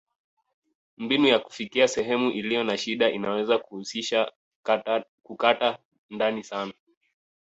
Mbinu ya kufikia sehemu iliyo na shida inaweza kuhusisha kukata ndani sana.